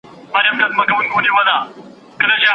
په هغه لويه غونډه کي ډېر مهم مسايل بيان سول.